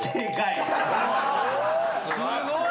すごい！